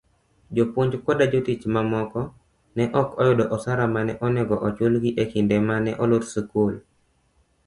jopuonj koda jotich mamoko, ne okyud osara mane onego ochulgi ekinde mane olor skul.